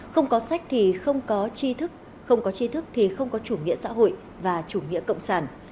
không có sách thì không có chi thức không có tri thức thì không có chủ nghĩa xã hội và chủ nghĩa cộng sản